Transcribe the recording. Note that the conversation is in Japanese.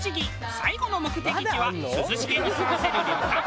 最後の目的地は涼しげに過ごせる旅館。